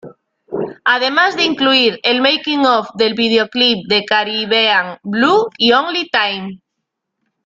Además de incluir el "making of" del videoclip de Caribbean Blue y Only Time.